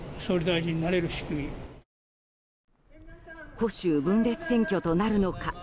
保守分裂選挙となるのか。